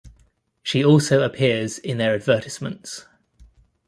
She also appears in their advertisements.